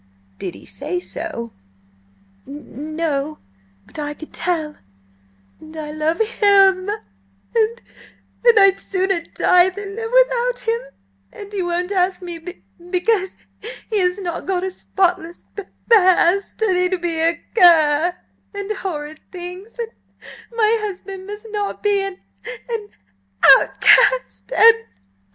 "Did he say so?" "N no–but I could tell. And I love him"–sob–"and I'd sooner die than live without him, and he won't ask me b because he has not got a spotless p past, and he'd be a cur, and horrid things, and my husband must not be an–an–outcast, and–and–and I don't care!"